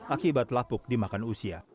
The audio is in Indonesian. akibat lapuk dimakan usia